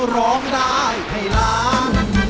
ร้องได้ให้ล้าน